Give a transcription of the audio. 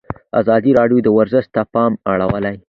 ازادي راډیو د ورزش ته پام اړولی.